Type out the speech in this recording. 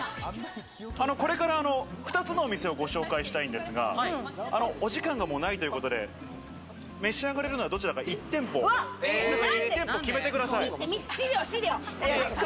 これから２つのお店をご紹介したいんですが、お時間がもうないということで、召し上がれるのはどちらか１店舗、皆さん、１店舗決めてください。